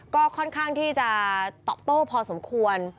ก็ค่อนข้างที่จะตอบโต้พอสมควร